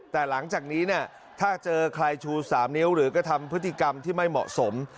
แต่หลังจากนี้เนี่ยถ้าเจอใครชู๓นิ้วหรือกระทำพฤติกรรมที่ไม่เหมาะสม